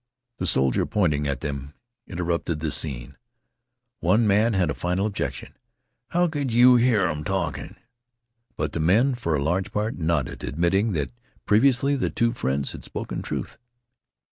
The soldier, pointing at them, interpreted the scene. One man had a final objection: "How could yeh hear 'em talkin'?" But the men, for a large part, nodded, admitting that previously the two friends had spoken truth.